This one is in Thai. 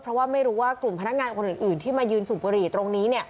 เพราะว่าไม่รู้ว่ากลุ่มพนักงานคนอื่นที่มายืนสูบบุหรี่ตรงนี้